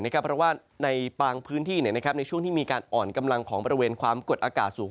เพราะว่าในบางพื้นที่ในช่วงที่มีการอ่อนกำลังของบริเวณความกดอากาศสูง